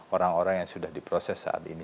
orang orang yang sudah diproses saat ini